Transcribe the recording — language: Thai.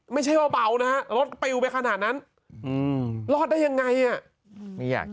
ไม่ใช่ว่าเบานะฮะรถปริวไปขนาดนั้นรอดได้ยังไงอ่ะ